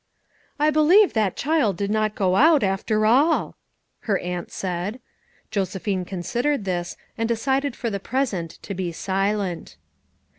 "I believe that child did not go out, after all!" her aunt said. Josephine considered this, and decided for the present to be silent.